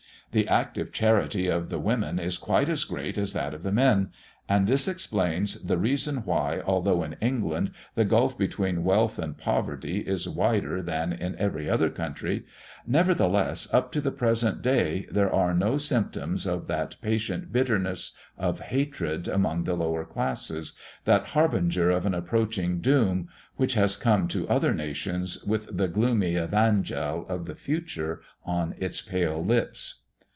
The active charity of the women is quite as great as that of the men; and this explains the reason why, although in England the gulf between wealth and poverty is wider than in every other country, nevertheless up to the present day there are no symptoms of that patient bitterness of hatred among the lower classes that harbinger of an approaching doom which has come to other nations with the gloomy evangel of the future on its pale lips.